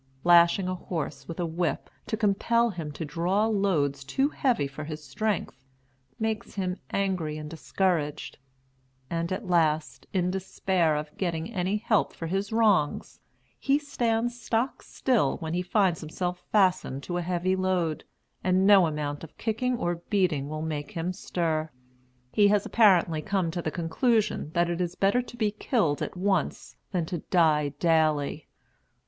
Lashing a horse with a whip, to compel him to draw loads too heavy for his strength, makes him angry and discouraged; and at last, in despair of getting any help for his wrongs, he stands stock still when he finds himself fastened to a heavy load, and no amount of kicking or beating will make him stir. He has apparently come to the conclusion that it is better to be killed at once than to die daily.